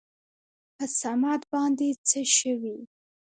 په صمد باندې څه شوي ؟